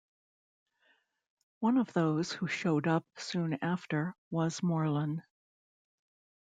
One of those, who showed up soon after, was Morlun.